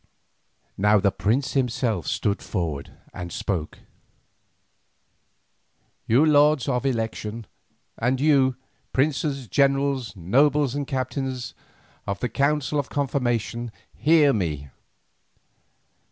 Now the prince himself stood forward and spoke: "You lords of election, and you, princes, generals, nobles and captains of the council of confirmation, hear me.